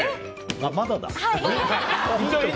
あ、まだだ。